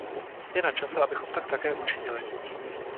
Je načase, abychom tak také učinili.